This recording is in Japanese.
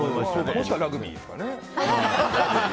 もしくはラグビーかね。